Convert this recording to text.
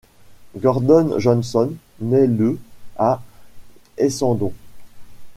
Gordon Johnson naît le à Essendon.